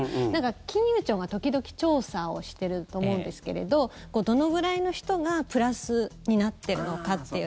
金融庁が時々調査をしてると思うんですけれどどのぐらいの人がプラスになってるのかっていう。